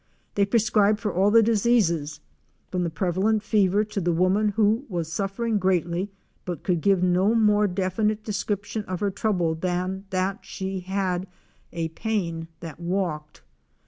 They prescribed for all diseases, from the prevalent fever to the woman who was suffering greatly but could give no more definite description of her trouble than that she had a "pain that walked."